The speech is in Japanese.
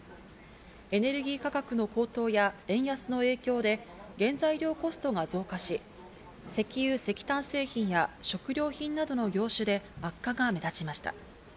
エネルギー価格の高騰や円安の影響で原材料コストが増加し、石油・石炭製品や食料品などの業種で悪化が目立ちました。